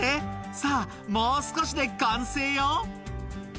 「さぁもう少しで完成よ」